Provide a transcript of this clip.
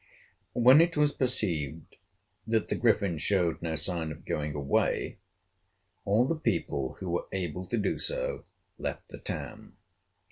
When it was perceived that the Griffin showed no sign of going away, all the people who were able to do so left the town.